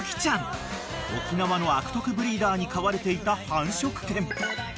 ［沖縄の悪徳ブリーダーに飼われていた繁殖犬］